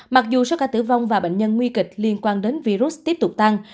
mặc dù số ca tử vong và bệnh nhân nguy kịch liên quan đến virus tiếp tục tăng